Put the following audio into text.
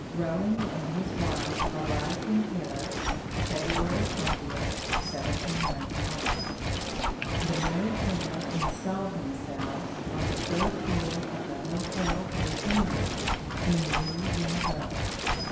Roland and his wife arrived in Paris, February 20, 1791. The married pair installed themselves on the third floor of the hotel Britannique, in rue Guénégaud.